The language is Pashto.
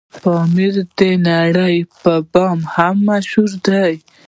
پامير دنړۍ په بام هم مشهور دی